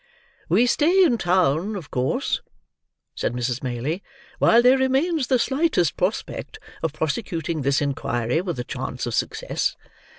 "We stay in town, of course," said Mrs. Maylie, "while there remains the slightest prospect of prosecuting this inquiry with a chance of success.